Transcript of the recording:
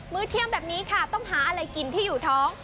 เที่ยงแบบนี้ค่ะต้องหาอะไรกินที่อยู่ท้อง